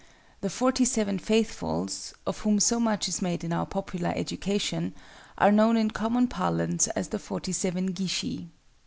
The Forty seven Faithfuls—of whom so much is made in our popular education—are known in common parlance as the Forty seven Gishi.